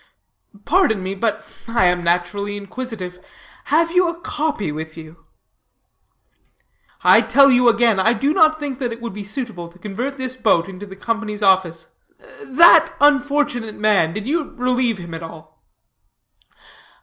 "Pardon me, but I am naturally inquisitive. Have you a copy with you?" "I tell you again, I do not think that it would be suitable to convert this boat into the Company's office. That unfortunate man, did you relieve him at all?"